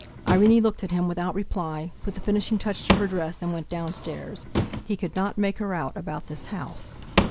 Irene looked at him, without reply, put the finishing touch to her dress and went downstairs. He could not make her out about this house.